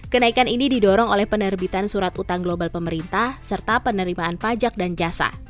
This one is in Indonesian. kenaikan ini didorong oleh penerbitan surat utang global pemerintah serta penerimaan pajak dan jasa